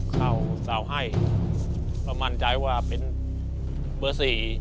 ข้าวเสาให้เป็นมารมันได้ว่าเป็นเบอร์๔